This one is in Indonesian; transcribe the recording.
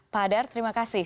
pak hadar terima kasih